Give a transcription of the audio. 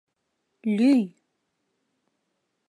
— Лӱй!